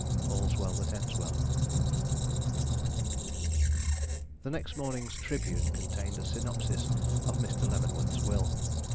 All's Well that Ends Well. The next morning's Tribune contained a synopsis of Mr. Leavenworth's will.